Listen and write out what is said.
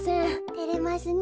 てれますねえ。